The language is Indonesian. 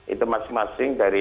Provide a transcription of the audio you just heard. itu masing masing dari